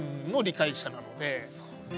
そうね。